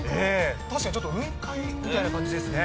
確かにちょっと雲海みたいな感じですね。